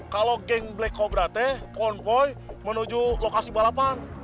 kalau geng black cobra teh konvoy menuju lokasi balapan